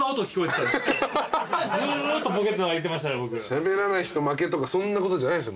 しゃべらない人負けとかそんなことじゃないっすよ。